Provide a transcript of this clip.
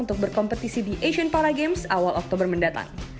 untuk berkompetisi di asian para games awal oktober mendatang